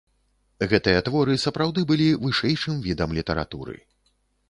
Гэтыя творы сапраўды былі вышэйшым відам літаратуры.